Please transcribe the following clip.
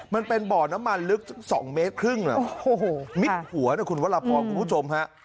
มันเป็นบ่อน้ำมันลึก๒เมตรครึ่งมิดหัวนะคุณวรพรคุณผู้ชมฮะ